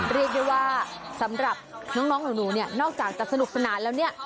เรียกได้ว่าสำหรับน้องหนูเนี่ยนอกจากจะสนุกสนานแล้วเนี่ย